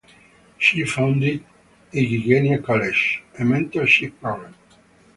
She founded Hygieia College, a mentorship program.